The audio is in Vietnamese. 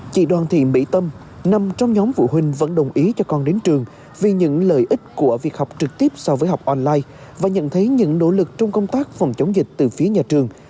chị đoàn thị mỹ tâm nằm trong nhóm phụ huynh vẫn đồng ý cho con đến trường vì những lợi ích của việc học trực tiếp so với học online và nhận thấy những nỗ lực trong công tác phòng chống dịch từ phía nhà trường